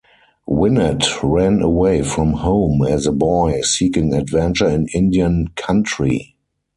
Winnett ran away from home as a boy, seeking adventure in Indian country.